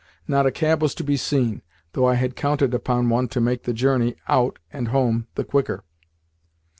Not a cab was to be seen, though I had counted upon one to make the journey out and home the quicker.